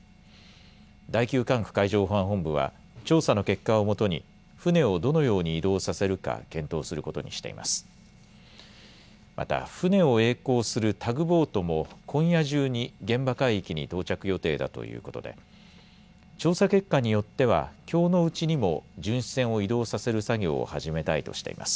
第９管区海上保安本部は調査の結果をもとに船をどのように移動させるか検討することにしています。